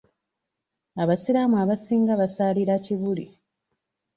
Abasiraamu abasinga basaalira Kibuli .